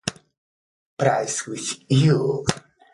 Prize With you!